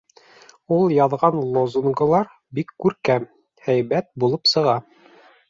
Ул яҙған лозунгылар бик күркәм, һәйбәт булып сыға.